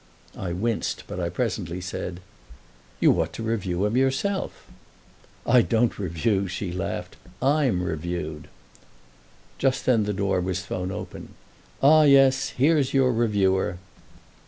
I winced but I presently said: "You ought to review him yourself!" "I don't 'review,'" she laughed. "I'm reviewed!" Just then the door was thrown open. "Ah yes, here's your reviewer!"